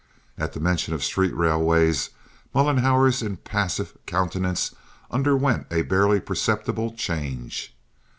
(At the mention of street railways Mollenhauer's impassive countenance underwent a barely perceptible change.)